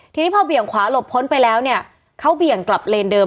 ทีนี้พอเบี่ยงขวาหลบพ้นไปแล้วเนี่ยเขาเบี่ยงกลับเลนเดิม